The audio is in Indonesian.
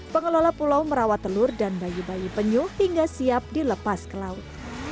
pengelola pulau merawat telur dan bayi bayi penyu hingga siap dilepas ke laut